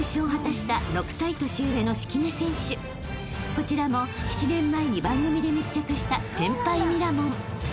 ［こちらも７年前に番組で密着した先輩ミラモン］